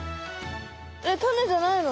タネじゃないの？